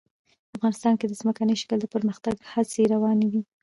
افغانستان کې د ځمکني شکل د پرمختګ لپاره هڅې روانې دي.